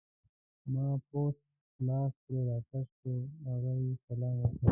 ما پوست لاس ترې راکش کړو، هغه یې سلام وکړ.